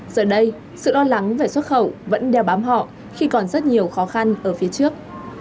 giờ đây sự lo lắng về xuất khẩu vẫn đeo bám họ khi còn rất nhiều khó khăn ở phía trước